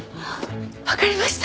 分かりました。